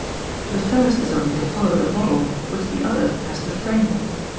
The first has only to follow the model which the other has to frame.